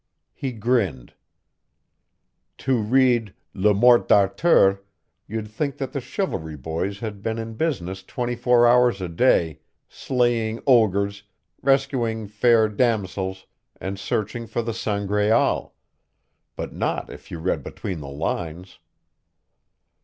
He grinned. To read Le Morte d'Arthur, you'd think that the chivalry boys had been in business twenty four hours a day, slaying ogres, rescuing fair damosels, and searching for the Sangraal; but not if you read between the lines.